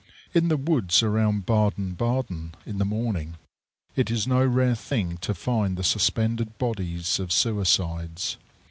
In the woods around Baden Baden, in the morning, it is no rare thing to find the suspended bodies of suicides.